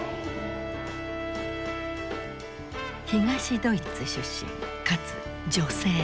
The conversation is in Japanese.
東ドイツ出身かつ女性。